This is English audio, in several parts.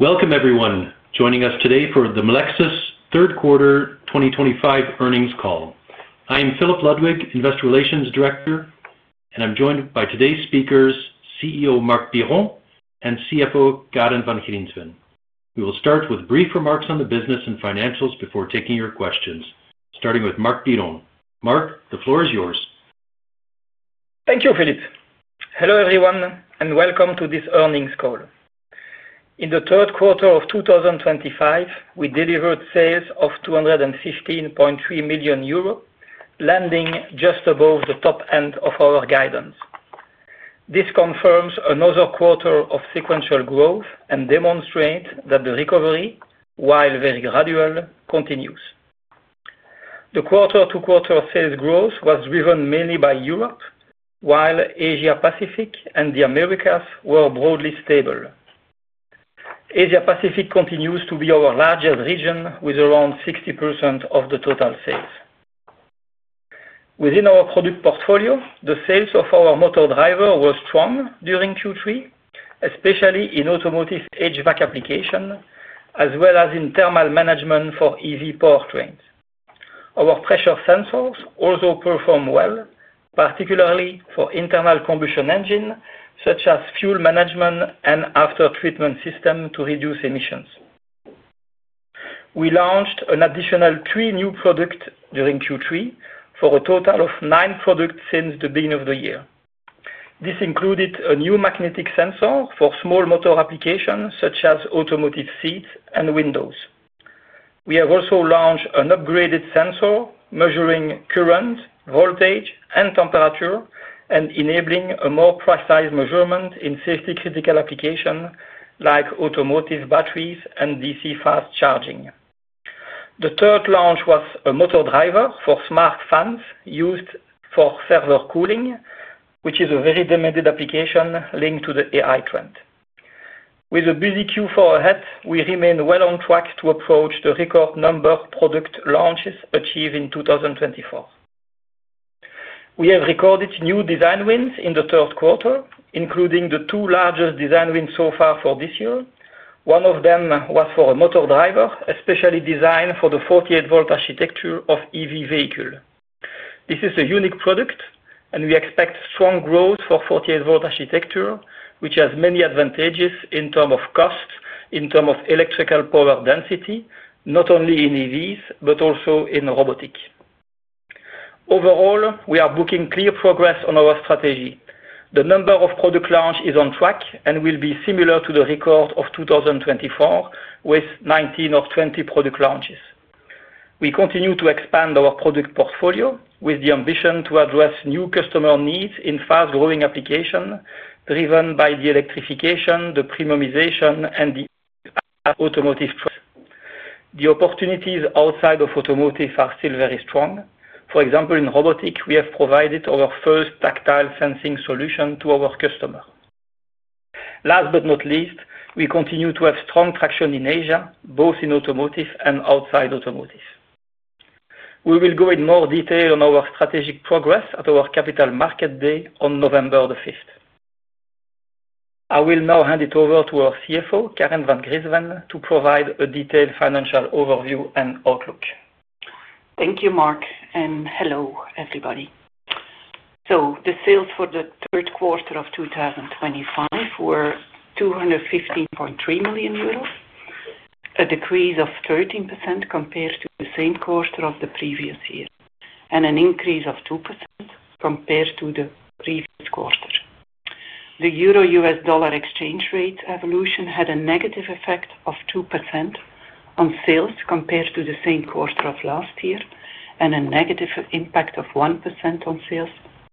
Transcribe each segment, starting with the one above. Welcome, everyone, joining us today for the Melexis Third Quarter 2025 earnings call. I am Philip Ludwig, Investor Relations Director, and I'm joined by today's speakers, CEO Marc Biron and CFO Karen van Griensven. We will start with brief remarks on the business and financials before taking your questions, starting with Marc Biron. Marc, the floor is yours. Thank you, Philip. Hello everyone, and welcome to this earnings call. In the third quarter of 2025, we delivered sales of 215.3 million euros, landing just above the top end of our guidance. This confirms another quarter of sequential growth and demonstrates that the recovery, while very gradual, continues. The quarter-to-quarter sales growth was driven mainly by Europe, while Asia-Pacific and the Americas were broadly stable. Asia-Pacific continues to be our largest region, with around 60% of the total sales. Within our product portfolio, the sales of our motor drivers were strong during Q3, especially in automotive HVAC applications, as well as in thermal management for EV powertrains. Our pressure sensors also performed well, particularly for internal combustion engines, such as fuel management and after-treatment systems to reduce emissions. We launched an additional three new products during Q3, for a total of nine products since the beginning of the year. This included a new magnetic sensor for small motor applications, such as automotive seats and windows. We have also launched an upgraded sensor measuring current, voltage, and temperature, enabling a more precise measurement in safety-critical applications like automotive batteries and DC fast charging. The third launch was a motor driver for smart fans used for server cooling, which is a very demanded application linked to the AI trend. With a busy Q4 ahead, we remain well on track to approach the record number of product launches achieved in 2024. We have recorded new design wins in the third quarter, including the two largest design wins so far for this year. One of them was for a motor driver, especially designed for the 48 V architecture of EV vehicles. This is a unique product, and we expect strong growth for 48 V architecture, which has many advantages in terms of cost, in terms of electrical power density, not only in EVs, but also in robotics. Overall, we are booking clear progress on our strategy. The number of product launches is on track and will be similar to the record of 2024, with 19 or 20 product launches. We continue to expand our product portfolio with the ambition to address new customer needs in fast-growing applications, driven by the electrification, the premiumization, and the automotive trend. The opportunities outside of automotive are still very strong. For example, in robotics, we have provided our first tactile sensing solution to our customers. Last but not least, we continue to have strong traction in Asia, both in automotive and outside automotive. We will go in more detail on our strategic progress at our Capital Market Day on November 5th. I will now hand it over to our CFO, Karen van Griensven, to provide a detailed financial overview and outlook. Thank you, Marc, and hello, everybody. The sales for the third quarter of 2025 were 215.3 million euros, a decrease of 13% compared to the same quarter of the previous year, and an increase of 2% compared to the previous quarter. The Euro U.S. Dollar exchange rate evolution had a negative effect of 2% on sales compared to the same quarter of last year, and a negative impact of 1% on sales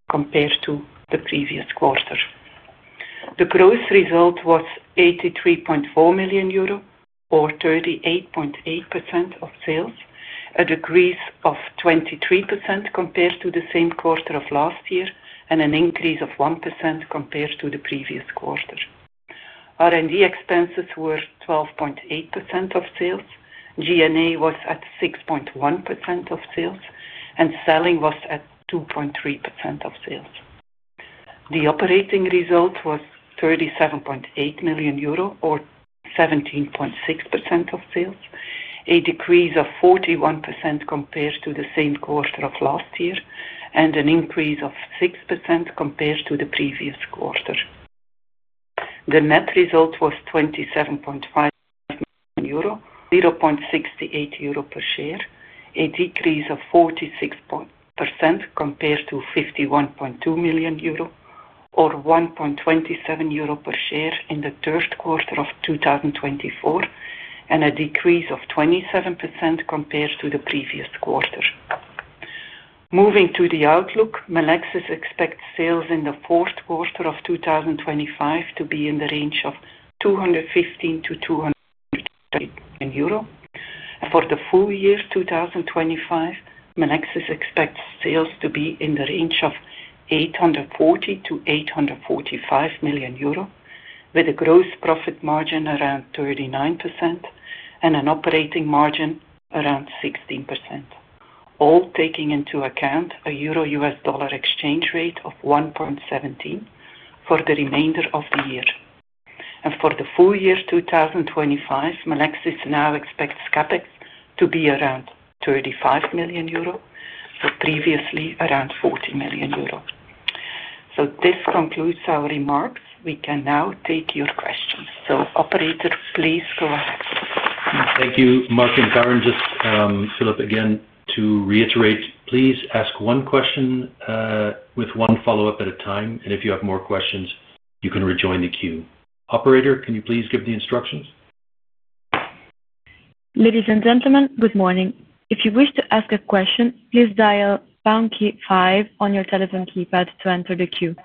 compared to the previous quarter. The gross result was 83.4 million euro, or 38.8% of sales, a decrease of 23% compared to the same quarter of last year, and an increase of 1% compared to the previous quarter. R&D expenses were 12.8% of sales, G&A was at 6.1% of sales, and selling was at 2.3% of sales. The operating result was 37.8 million euro, or 17.6% of sales, a decrease of 41% compared to the same quarter of last year, and an increase of 6% compared to the previous quarter. The net result was 27.5 million euro, 0.68 euro per share, a decrease of 46% compared to 51.2 million euro, or 1.27 euro per share in the third quarter of 2024, and a decrease of 27% compared to the previous quarter. Moving to the outlook, Melexis expects sales in the fourth quarter of 2025 to be in the range of 215-220 million euro. For the full year 2025, Melexis expects sales to be in the range of 840-845 million euro, with a gross profit margin around 39% and an operating margin around 16%, all taking into account a Euro U.S. Dollar exchange rate of 1.17 for the remainder of the year. For the full year 2025, Melexis now expects CapEx to be around €35 million, previously around €40 million. This concludes our remarks. We can now take your questions. Operator, please go ahead. Thank you, Marc and Karen. Just, Philip, again, to reiterate, please ask one question with one follow-up at a time, and if you have more questions, you can rejoin the queue. Operator, can you please give the instructions? Ladies and gentlemen, good morning. If you wish to ask a question, please dial pound key five on your telephone keypad to enter the queue.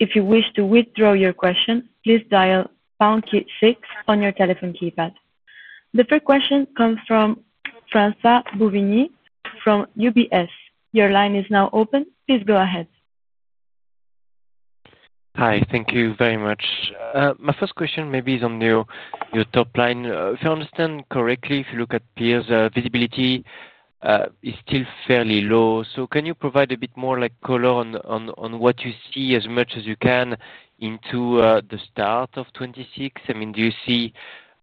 If you wish to withdraw your question, please dial pound key six on your telephone keypad. The first question comes from Francois-Xavier Bouvignies from UBS Investment Bank. Your line is now open. Please go ahead. Hi. Thank you very much. My first question maybe is on your top line. If I understand correctly, if you look at peers, visibility is still fairly low. Can you provide a bit more color on what you see, as much as you can, into the start of 2026? I mean, do you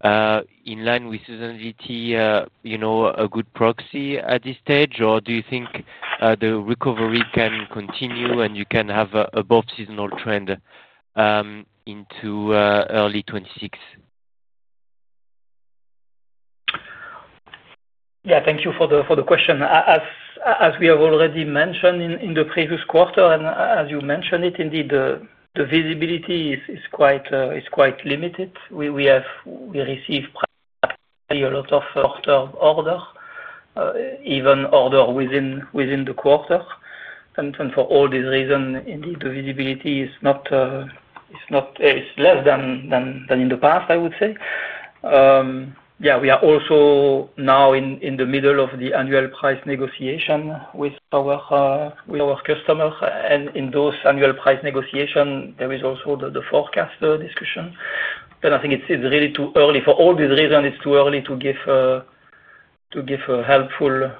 see, in line with seasonality, a good proxy at this stage, or do you think the recovery can continue and you can have an above-seasonal trend into early 2026? Thank you for the question. As we have already mentioned in the previous quarter, and as you mentioned, indeed, the visibility is quite limited. We receive pretty a lot of quarter order, even order within the quarter. For all these reasons, indeed, the visibility is not, is less than in the past, I would say. We are also now in the middle of the annual price negotiation with our customers. In those annual price negotiations, there is also the forecast discussion. I think it's really too early. For all these reasons, it's too early to give a helpful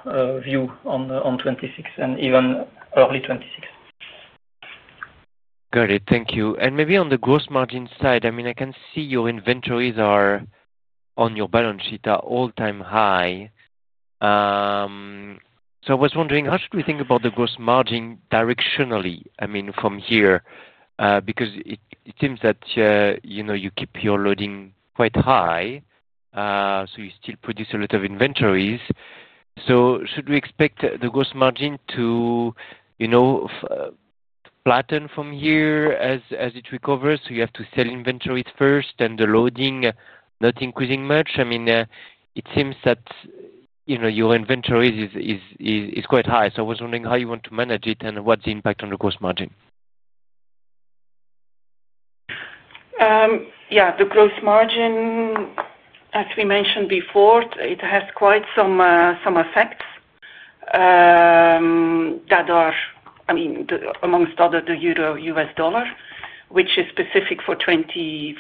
view on 2026 and even early 2026. Got it. Thank you. Maybe on the gross margin side, I mean, I can see your inventories on your balance sheet are all-time high. I was wondering, how should we think about the gross margin directionally? I mean, from here, because it seems that you keep your loading quite high, so you still produce a lot of inventories. Should we expect the gross margin to flatten from here as it recovers? You have to sell inventories first, and the loading not increasing much. It seems that your inventories are quite high. I was wondering how you want to manage it and what's the impact on the gross margin? Yeah. The gross margin, as we mentioned before, it has quite some effects that are, I mean, amongst other, the Euro U.S. Dollar, which is specific for 2025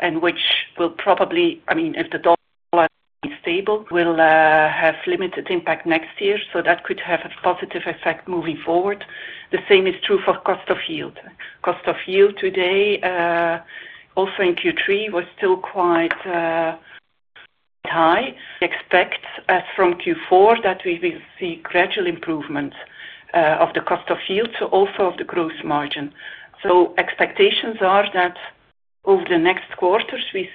and which will probably, I mean, if the Dollar is stable, will have limited impact next year. That could have a positive effect moving forward. The same is true for cost of yield. Cost of yield today, also in Q3, was still quite high. We expect, as from Q4, that we will see gradual improvement of the cost of yield, so also of the gross margin. Expectations are that over the next quarters, we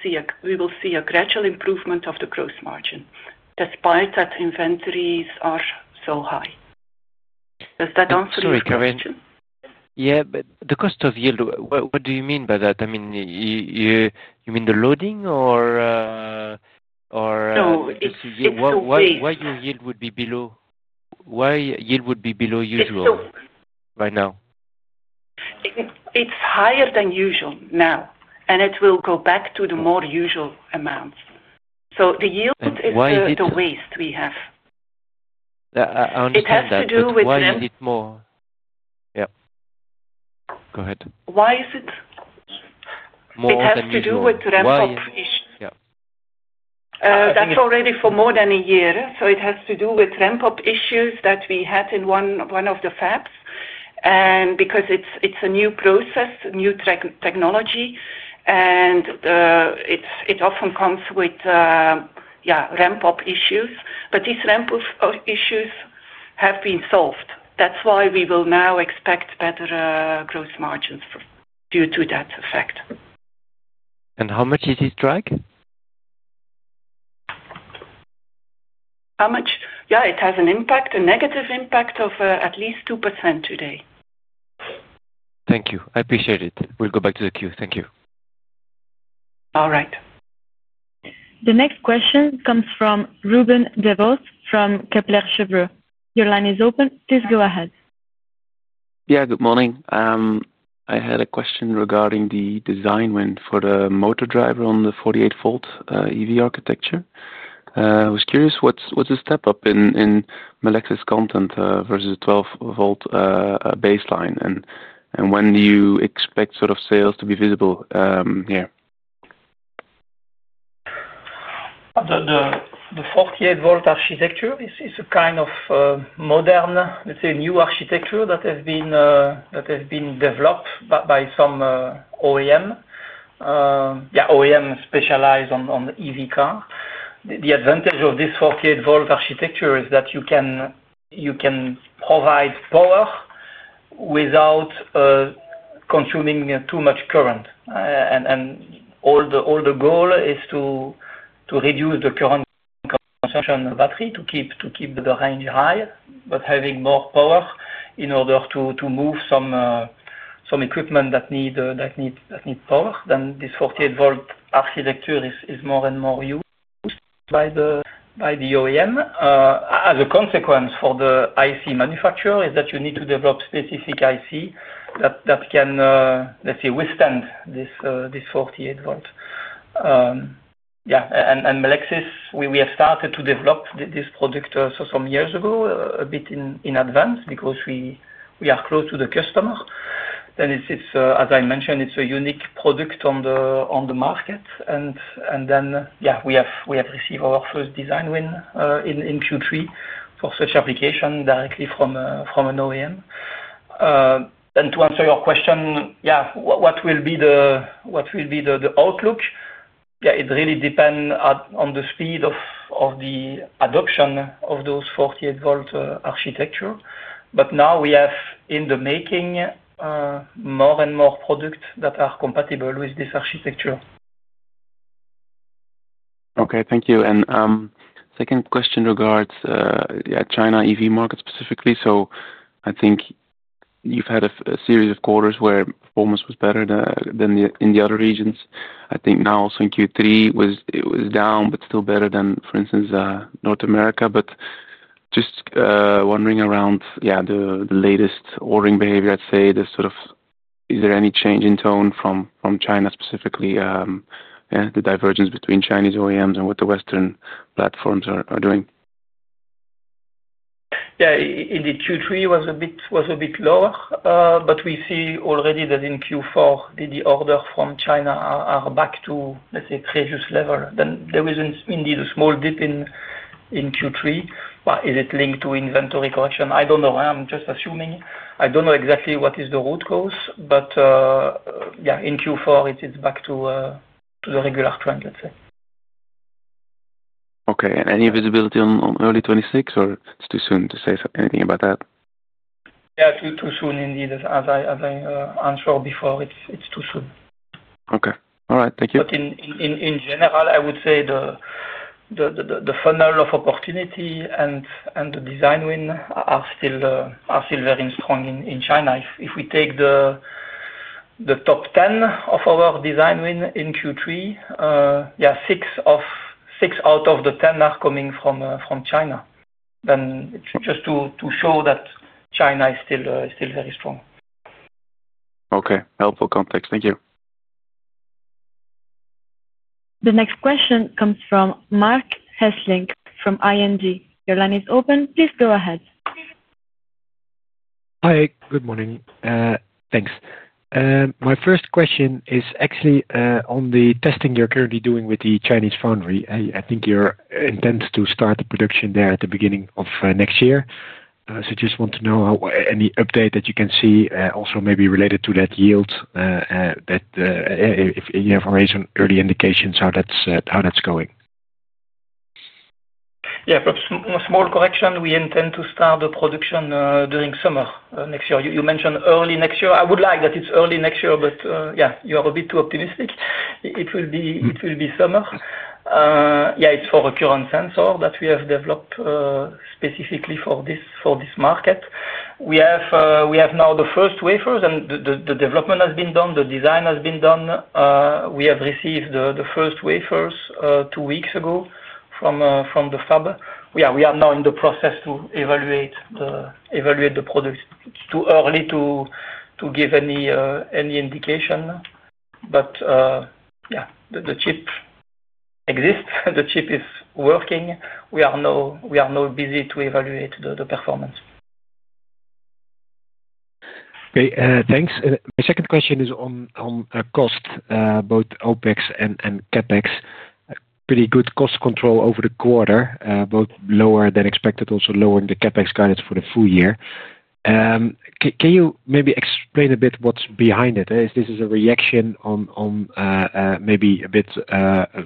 will see a gradual improvement of the gross margin despite that inventories are so high. Does that answer your question? Sorry, Karen. Yeah, but the cost of yield, what do you mean by that? I mean, you mean the loading or? Why would your yield be below usual right now? It's higher than usual now, and it will go back to the more usual amount. The yield is quite a waste we have. I understand that. It has to do with the. Why is it more? Go ahead. Why is it? More than usual? It has to do with the ramp-up challenges. Yeah. That's already for more than a year. It has to do with ramp-up issues that we had in one of the fabs, and because it's a new process, new technology, it often comes with ramp-up issues. These ramp-up issues have been solved. That's why we will now expect better gross margins due to that effect. How much is this drag? How much? Yeah, it has an impact, a negative impact, of at least 2% today. Thank you. I appreciate it. We'll go back to the queue. Thank you. All right. The next question comes from Ruben Devos from Kepler Cheuvreux. Your line is open. Please go ahead. Good morning. I had a question regarding the design win for the motor driver on the 48 V EV architecture. I was curious, what's the step up in Melexis content versus the 12 V baseline? When do you expect sort of sales to be visible here? The 48 V architecture is a kind of modern, let's say, new architecture that has been developed by some OEM. OEM specialize on the EV car. The advantage of this 48 V architecture is that you can provide power without consuming too much current, and the goal is to reduce the current consumption of battery to keep the range high, but having more power in order to move some equipment that need power. This 48 V architecture is more and more used by the OEM. As a consequence for the IC manufacturer, you need to develop specific IC that can, let's say, withstand this 48 V. Yeah. At Melexis, we have started to develop this product some years ago, a bit in advance because we are close to the customer. It's, as I mentioned, a unique product on the market. We have received our first design win in Q3 for such application directly from an OEM. To answer your question, what will be the outlook? Yeah. It really depends on the speed of the adoption of those 48 V architecture. Now we have in the making more and more products that are compatible with this architecture. Okay. Thank you. Second question regards China EV market specifically. I think you've had a series of quarters where performance was better than in the other regions. I think now also in Q3 it was down but still better than, for instance, North America. Just wondering around the latest ordering behavior, I'd say, is there any change in tone from China specifically? The divergence between Chinese OEMs and what the Western platforms are doing? Indeed, Q3 was a bit lower, but we see already that in Q4, the orders from China are back to, let's say, previous level. There was indeed a small dip in Q3. Is it linked to inventory collection? I don't know. I'm just assuming. I don't know exactly what is the root cause, but in Q4, it's back to the regular trend, let's say. Okay. Any visibility on early 2026, or it's too soon to say anything about that? Too soon indeed. As I answered before, it's too soon. Okay. All right. Thank you. In general, I would say the funnel of opportunity and the design win are still very strong in China. If we take the top 10 of our design win in Q3, 6 out of the 10 are coming from China. It's just to show that China is still very strong. Okay. Helpful context. Thank you. The next question comes from Marc Hesselink from ING. Your line is open. Please go ahead. Hi. Good morning. Thanks. My first question is actually on the testing you're currently doing with the Chinese foundry. I think you're intending to start the production there at the beginning of next year. I just want to know any update that you can see, also maybe related to that yield, if you have already some early indications how that's going. Yeah, small correction. We intend to start the production during summer next year. You mentioned early next year. I would like that it's early next year, but you are a bit too optimistic. It will be summer. Yeah, it's for a current sensor that we have developed specifically for this market. We have now the first wafers, and the development has been done. The design has been done. We have received the first wafers two weeks ago from the fab. Yeah, we are now in the process to evaluate the product. It's too early to give any indication. Yeah, the chip exists. The chip is working. We are now busy to evaluate the performance. Great, thanks. My second question is on cost, both OpEx and CapEx. Pretty good cost control over the quarter, both lower than expected, also lowering the CapEx guidance for the full year. Can you maybe explain a bit what's behind it? Is this a reaction on maybe a bit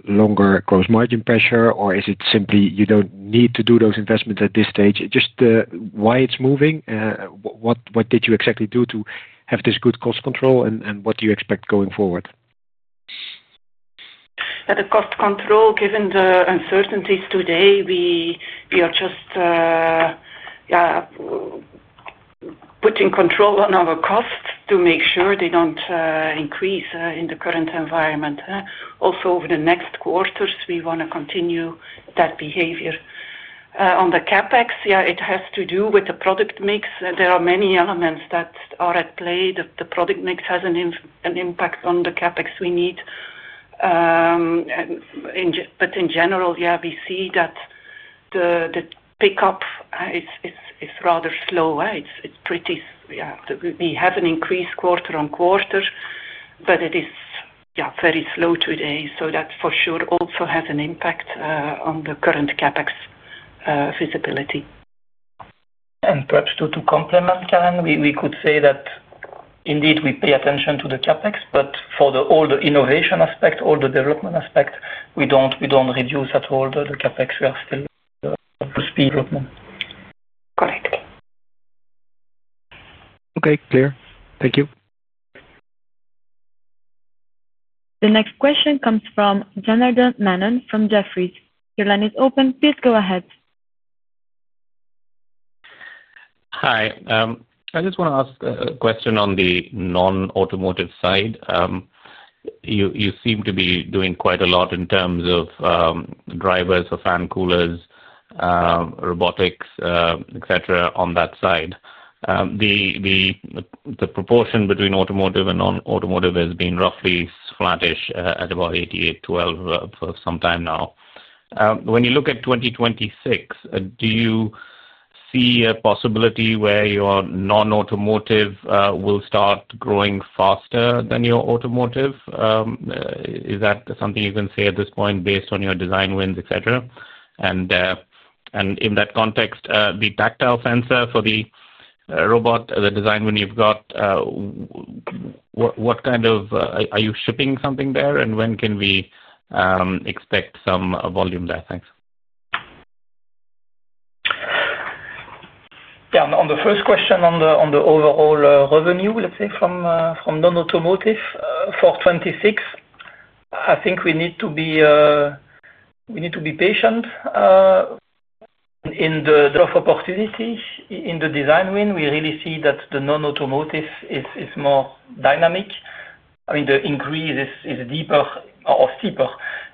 longer gross margin pressure, or is it simply you don't need to do those investments at this stage? Just, why it's moving? What did you exactly do to have this good cost control and what do you expect going forward? Yeah. The cost control, given the uncertainties today, we are just putting control on our costs to make sure they don't increase in the current environment. Also, over the next quarters, we want to continue that behavior. On the CapEx, it has to do with the product mix. There are many elements that are at play. The product mix has an impact on the CapEx we need. In general, we see that the pickup is rather slow. We have an increase quarter on quarter, but it is very slow today. That for sure also has an impact on the current CapEx visibility. Perhaps to complement, Karen, we could say that indeed we pay attention to the CapEx, but for all the innovation aspect, all the development aspect, we don't reduce at all the CapEx. We are still to speed development. Correct. Okay. Clear. Thank you. The next question comes from Janardan Menon from Jefferies LLC. Your line is open. Please go ahead. Hi. I just want to ask a question on the non-automotive side. You seem to be doing quite a lot in terms of drivers, the fan coolers, robotics, etc. on that side. The proportion between automotive and non-automotive has been roughly flat, at about 88/12 for some time now. When you look at 2026, do you see a possibility where your non-automotive will start growing faster than your automotive? Is that something you can say at this point based on your design wins, etc.? In that context, the tactile sensor for the robot, the design win you've got, what kind of, are you shipping something there? When can we expect some volume there? Thanks. Yeah. On the first question, on the overall revenue, let's say, from non-automotive for 2026, I think we need to be patient in the growth of opportunity. In the design win, we really see that the non-automotive is more dynamic. I mean, the increase is steeper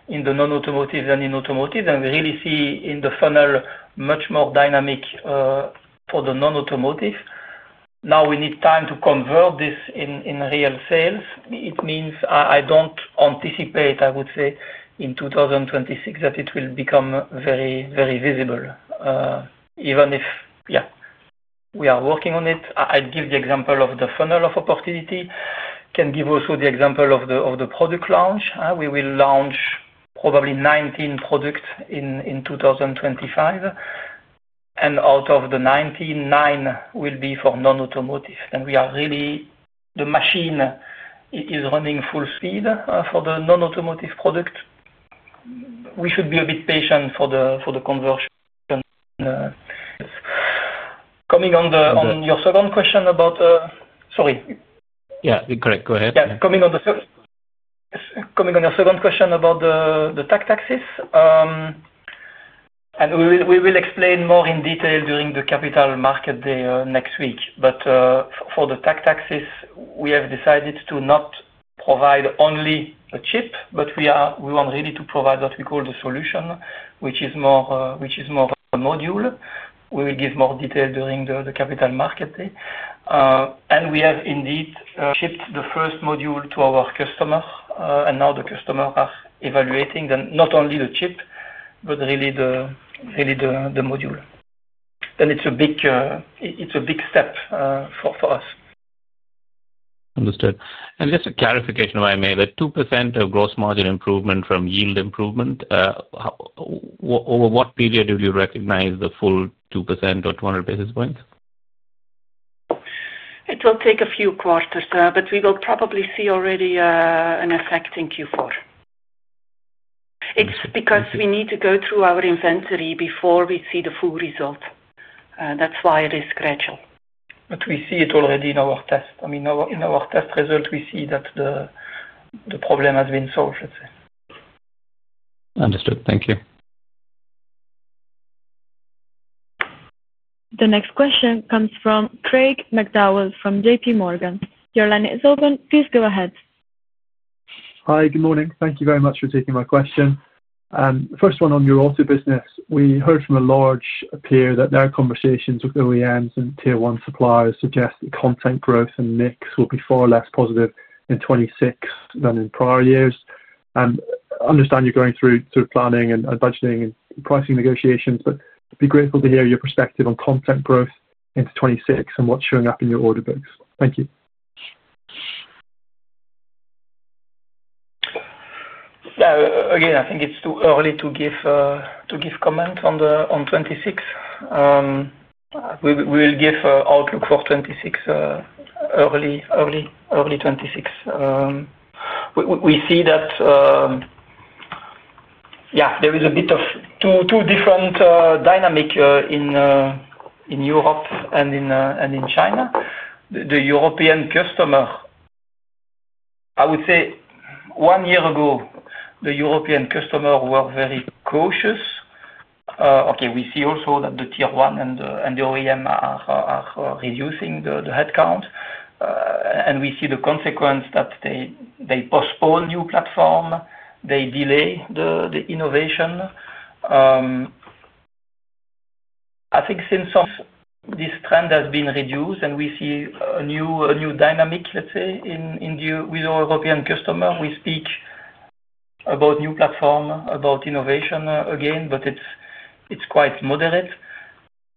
in the non-automotive than in automotive. We really see in the funnel much more dynamic for the non-automotive. Now we need time to convert this in real sales. It means I don't anticipate, I would say, in 2026 that it will become very, very visible, even if, yeah, we are working on it. I'd give the example of the funnel of opportunity. Can give also the example of the product launch. We will launch probably 19 products in 2025, and out of the 19/9 will be for non-automotive. We are really, the machine is running full speed for the non-automotive product. We should be a bit patient for the conversion. Coming on your second question about, sorry. Yeah, correct. Go ahead. Yeah. Coming on your second question about the tactile sensing solution. We will explain more in detail during the Capital Market Day next week. For the tactile sensing solution, we have decided to not provide only a chip, but we really want to provide what we call the solution, which is more a module. We will give more detail during the Capital Market Day. We have indeed shipped the first module to our customer, and now the customer is evaluating them, not only the chip but really the module. It's a big step for us. Understood. Just a clarification, if I may, that 2% of gross margin improvement from yield improvement, what period will you recognize the full 2% or 200 basis points? It will take a few quarters, but we will probably see already an effect in Q4. It's because we need to go through our inventory before we see the full result. That's why it is gradual. We see it already in our test results. We see that the problem has been solved, let's say. Understood. Thank you. The next question comes from Craig McDowell from JPMorgan Chase & Co. Your line is open. Please go ahead. Hi. Good morning. Thank you very much for taking my question. The first one on your auto business. We heard from a large peer that their conversations with OEMs and tier-one suppliers suggest the content growth and mix will be far less positive in 2026 than in prior years. I understand you're going through planning and budgeting and pricing negotiations, but I'd be grateful to hear your perspective on content growth into 2026 and what's showing up in your order books. Thank you. Yeah. I think it's too early to give comments on 2026. We will give an outlook for 2026 early, early 2026. We see that there is a bit of two different dynamics in Europe and in China. The European customer, I would say one year ago, the European customers were very cautious. We see also that the tier-one and the OEM are reducing the headcount, and we see the consequence that they postpone new platforms. They delay the innovation. I think since, this trend has been reduced and we see a new dynamic, let's say, with our European customers. We speak about new platforms, about innovation again, but it's quite moderate.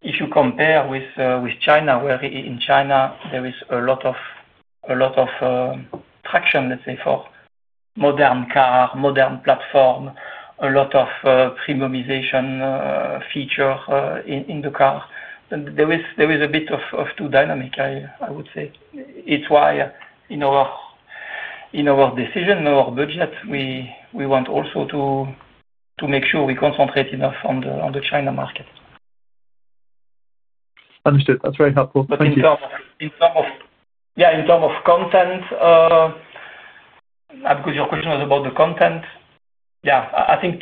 If you compare with China, where in China there is a lot of traction, let's say, for modern cars, modern platforms, a lot of premiumization features in the car. There is a bit of two dynamics, I would say. It's why in our decision, our budget, we want also to make sure we concentrate enough on the China market. Understood. That's very helpful. In terms of content, because your question was about the content, I think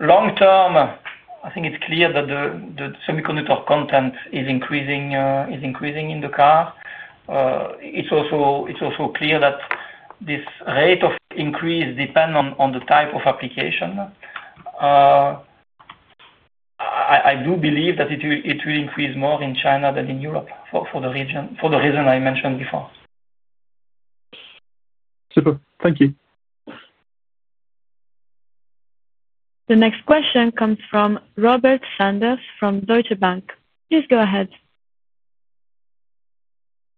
long-term, it's clear that the semiconductor content is increasing in the car. It's also clear that this rate of increase depends on the type of application. I do believe that it will increase more in China than in Europe for the reason I mentioned before. Super. Thank you. The next question comes from Robert Sanders from Deutsche Bank. Please go ahead.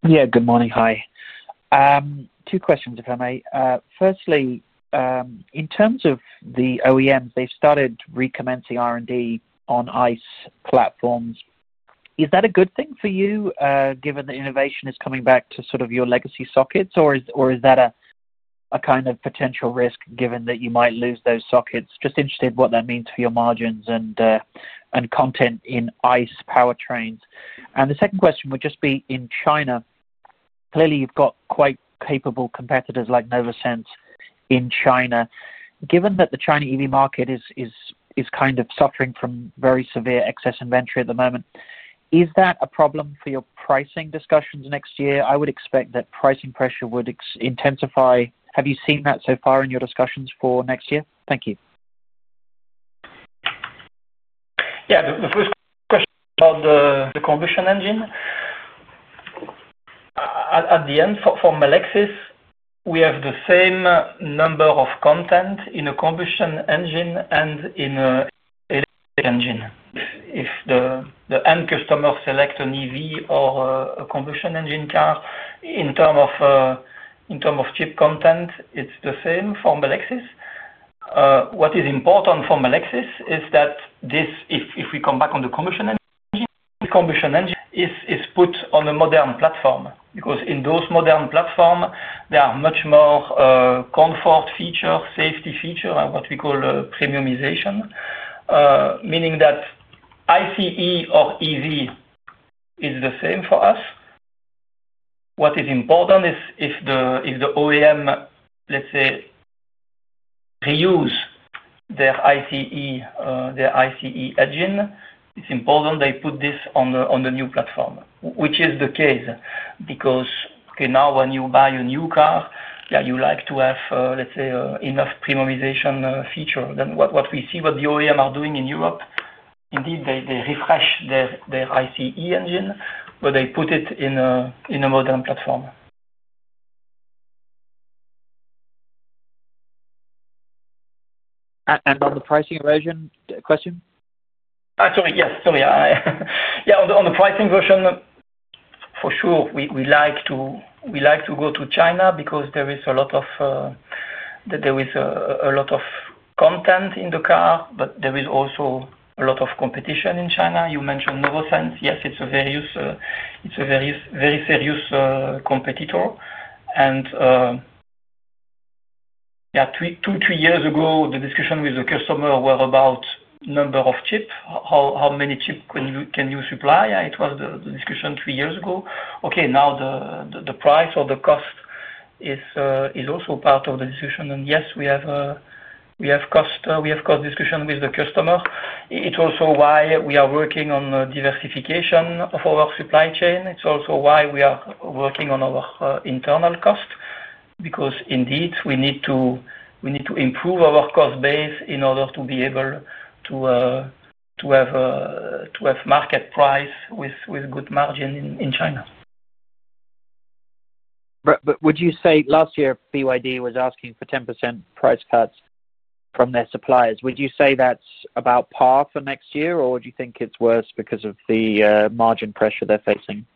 Good morning. Hi. Two questions, if I may. Firstly, in terms of the OEMs, they've started recommencing R&D on ICE platforms. Is that a good thing for you, given that innovation is coming back to sort of your legacy sockets, or is that a kind of potential risk given that you might lose those sockets? Just interested in what that means for your margins and content in ICE powertrains. The second question would just be in China. Clearly, you've got quite capable competitors like Novosense in China. Given that the China EV market is kind of suffering from very severe excess inventory at the moment, is that a problem for your pricing discussions next year? I would expect that pricing pressure would intensify. Have you seen that so far in your discussions for next year? Thank you. Yeah. The first question is about the combustion engine. At the end, for Melexis, we have the same number of content in a combustion engine and in an electric engine. If the end customer selects an EV or a combustion engine car, in terms of chip content, it's the same for Melexis. What is important for Melexis is that this, if we come back on the combustion engine, the combustion engine is put on a modern platform because in those modern platforms, there are much more comfort features, safety features, and what we call premiumization, meaning that ICE or EV is the same for us. What is important is if the OEM, let's say, reuse their ICE, their ICE engine, it's important they put this on the new platform, which is the case because, okay, now when you buy a new car, you like to have, let's say, enough premiumization features. What we see, what the OEMs are doing in Europe, indeed, they refresh their ICE engine, but they put it in a modern platform. On the pricing version, the question? Sorry. Yes. Sorry. Yeah. On the pricing version, for sure, we like to go to China because there is a lot of, there is a lot of content in the car, but there is also a lot of competition in China. You mentioned Novosense. Yes. It's a very, it's a very serious competitor. Yeah. 2 years-3 years ago, the discussion with the customer was about the number of chips, how many chips can you supply? Yeah. It was the discussion three years ago. Now the price or the cost is also part of the decision. Yes, we have a cost discussion with the customer. It's also why we are working on diversification of our supply chain. It's also why we are working on our internal cost because indeed we need to improve our cost base in order to be able to have market price with good margin in China. Would you say last year, BYD was asking for 10% price cuts from their suppliers. Would you say that's about par for next year, or do you think it's worse because of the margin pressure they're facing?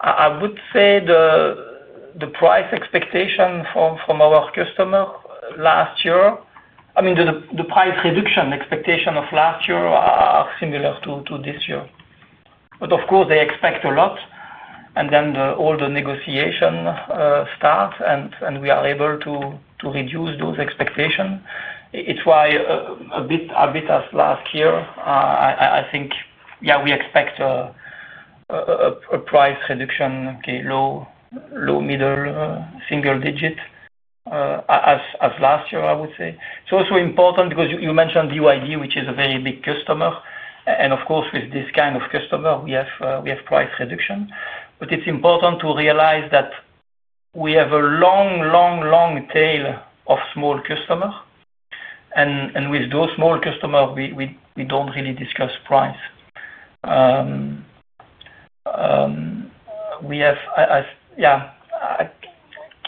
I would say the price expectation from our customer last year, I mean, the price reduction expectation of last year, are similar to this year. Of course, they expect a lot, and then all the negotiation starts, and we are able to reduce those expectations. It's why, a bit as last year, I think, yeah, we expect a price reduction, low, low middle, single digit, as last year, I would say. It's also important because you mentioned BYD, which is a very big customer. Of course, with this kind of customer, we have price reduction. It's important to realize that we have a long, long tail of small customers, and with those small customers, we don't really discuss price. I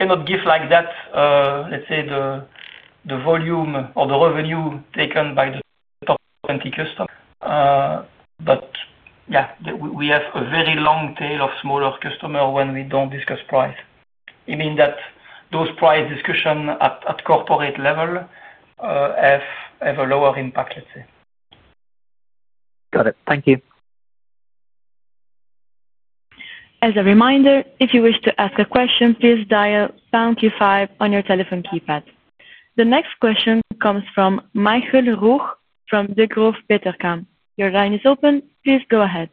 cannot give, like that, the volume or the revenue taken by the top 20 customers, but yeah. We have a very long tail of smaller customers where we don't discuss price. You mean that those price discussions at corporate level have a lower impact, let's say. Got it. Thank you. As a reminder, if you wish to ask a question, please dial the pound key five on your telephone keypad. The next question comes from Michael Roeg from Banque Degroof Petercam S.A. Your line is open. Please go ahead.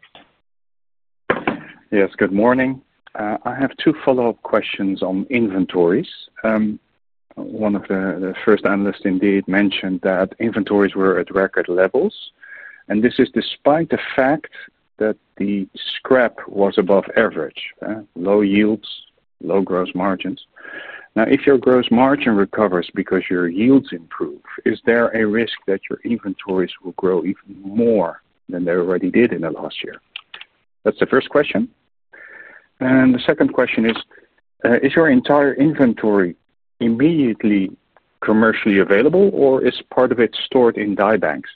Yes. Good morning. I have two follow-up questions on inventories. One of the first analysts indeed mentioned that inventories were at record levels. This is despite the fact that the scrap was above average, low yields, low gross margins. Now, if your gross margin recovers because your yields improve, is there a risk that your inventories will grow even more than they already did in the last year? That's the first question. The second question is, is your entire inventory immediately commercially available, or is part of it stored in dye banks?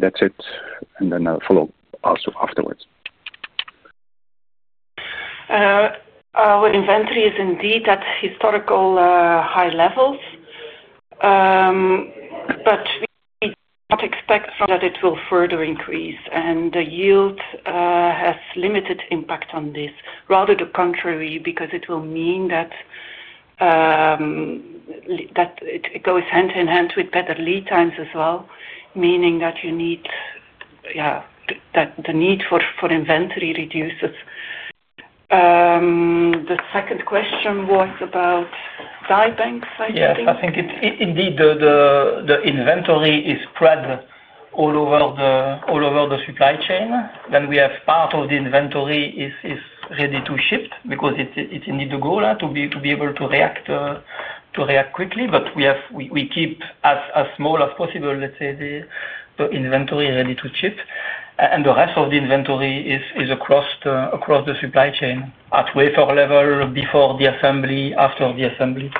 That's it. I'll follow up also afterwards. Our inventory is indeed at historical high levels, but we do not expect that it will further increase. The yield has limited impact on this, rather the contrary, because it will mean that it goes hand in hand with better lead times as well, meaning that the need for inventory reduces. The second question was about dye banks, I think. Yeah. I think it's indeed the inventory is spread all over the supply chain. We have part of the inventory ready to ship because it's indeed the goal, to be able to react quickly. We keep as small as possible, let's say, the inventory ready to ship. The rest of the inventory is across the supply chain at wafer level, before the assembly, after the assembly.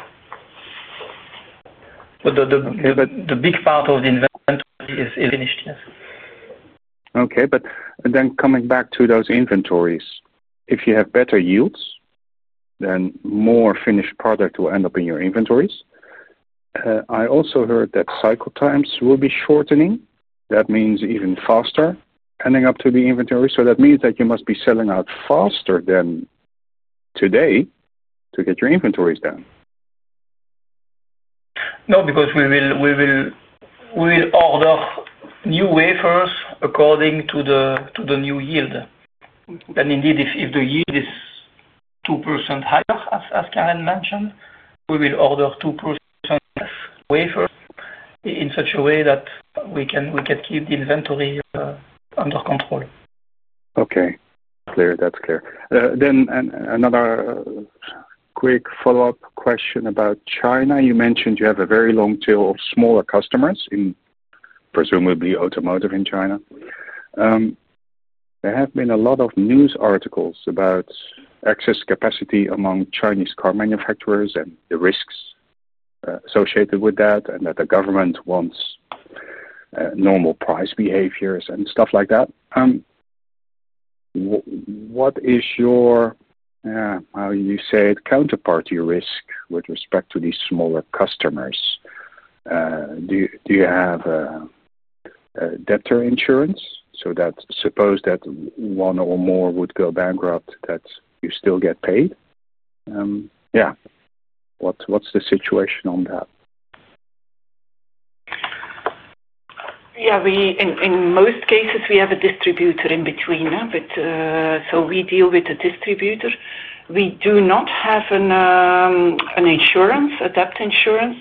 The big part of the inventory is finished. Yes. Okay. Coming back to those inventories, if you have better yields, then more finished product will end up in your inventories. I also heard that cycle times will be shortening. That means even faster ending up to the inventory. That means that you must be selling out faster than today to get your inventories done. No, because we will order new wafers according to the new yield. Indeed, if the yield is 2% higher, as Karen mentioned, we will order 2% less wafers in such a way that we can keep the inventory under control. Okay. That's clear. Another quick follow-up question about China. You mentioned you have a very long tail of smaller customers in presumably automotive in China. There have been a lot of news articles about excess capacity among Chinese car manufacturers and the risks associated with that, and that the government wants normal price behaviors and stuff like that. What is your, yeah, how you say it, counterparty risk with respect to these smaller customers? Do you have debtor insurance? So that suppose that one or more would go bankrupt, that you still get paid. Yeah. What's the situation on that? Yeah. In most cases, we have a distributor in between, so we deal with a distributor. We do not have a debt insurance,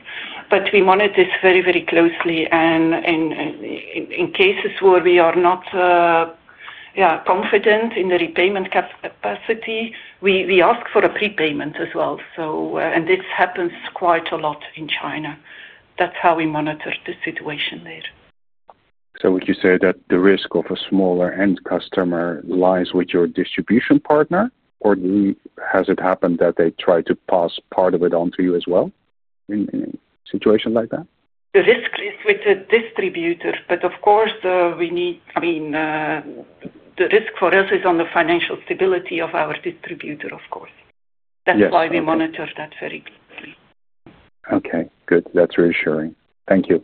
but we monitor this very, very closely. In cases where we are not confident in the repayment capacity, we ask for a prepayment as well. This happens quite a lot in China. That's how we monitor the situation there. Would you say that the risk of a smaller end customer lies with your distribution partner, or has it happened that they try to pass part of it onto you as well in a situation like that? The risk is with the distributor. Of course, the risk for us is on the financial stability of our distributor. That's why we monitor that very closely. Okay. Good. That's reassuring. Thank you.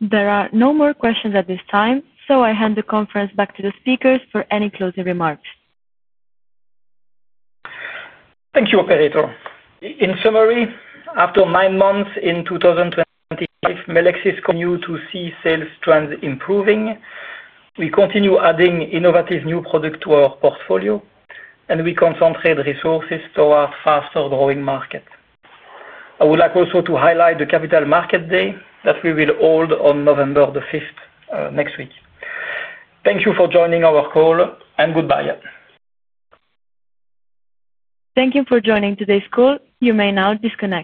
There are no more questions at this time. I hand the conference back to the speakers for any closing remarks. Thank you, operator. In summary, after nine months in 2025, Melexis continues to see sales trends improving. We continue adding innovative new products to our portfolio, and we concentrate resources towards a faster-growing market. I would like also to highlight the Capital Market Day that we will hold on November 5, next week. Thank you for joining our call, and goodbye. Thank you for joining today's call. You may now disconnect.